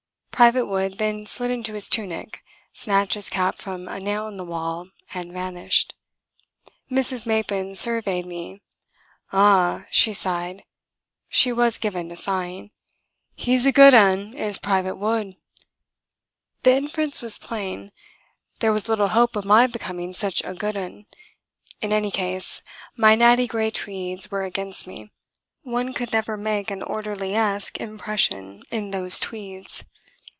Private Wood then slid into his tunic, snatched his cap from a nail in the wall, and vanished. Mrs. Mappin surveyed me. "Ah!" she sighed she was given to sighing. "He's a good 'un, is Private Wood." The inference was plain. There was little hope of my becoming such a good 'un. In any case, my natty grey tweeds were against me. One could never make an orderliesque impression in those tweeds.